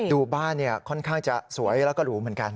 ดูบ้านค่อนข้างจะสวยแล้วก็หรูเหมือนกัน